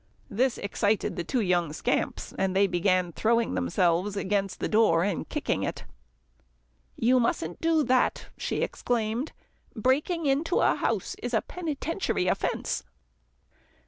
This excited the two young scamps, and they began throwing themselves against the door and kicking at it. "You mustn't do that," she exclaimed, "breaking into a house is a penitentiary offence."